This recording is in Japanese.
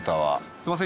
すいません